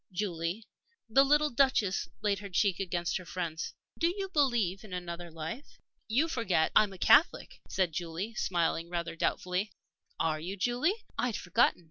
Julie" the little Duchess laid her cheek against her friend's "do you believe in another life?" "You forget I'm a Catholic," said Julie, smiling rather doubtfully. "Are you, Julie? I'd forgotten."